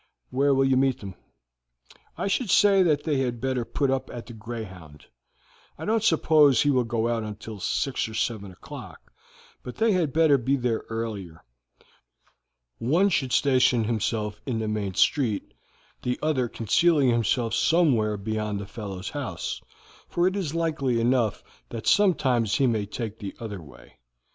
Where will you meet them?" "I should say that they had better put up at the Greyhound. I don't suppose he will go out until six or seven o'clock, but they had better be there earlier. One should station himself in the main street, the other concealing himself somewhere beyond the fellow's house, for it is likely enough that sometimes he may take the other way.